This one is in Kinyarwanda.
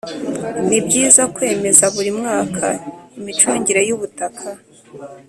Nibyiza kwemeza buri mwaka imicungire y’ubutaka.